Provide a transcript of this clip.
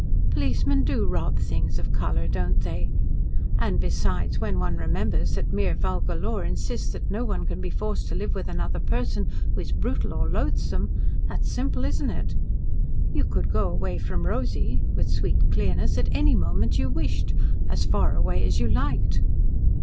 Policemen do rob things of colour, don't they? And besides, when one remembers that mere vulgar law insists that no one can be forced to live with another person who is brutal or loathsome, that's simple, isn't it? You could go away from Rosy," with sweet clearness, "at any moment you wished as far away as you liked."